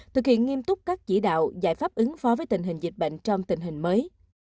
thực hiện nghiêm túc các chỉ đạo giải pháp ứng phó với tình hình dịch bệnh trong tình hình mới